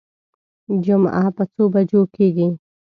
جمعه په څو بجو کېږي.